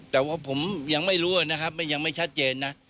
แต่ว่าผมยังไม่รู้นะครับยังไม่ชัดเจนนะ